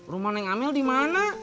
rumah neng amel di mana